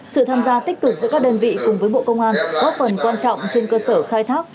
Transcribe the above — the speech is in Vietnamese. sự tham gia tích cực giữa các đơn vị cùng với bộ công an góp phần quan trọng trên cơ sở khai thác